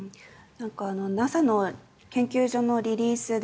ＮＡＳＡの研究所のリリースで